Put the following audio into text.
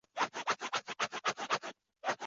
妈妈的菜超咸的